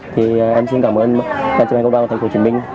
thì em xin cảm ơn tn bốn tp hcm